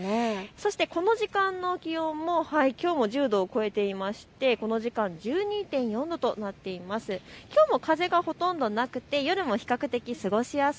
この時間の気温もきょうも１０度を超えていまして１２．４度となっています。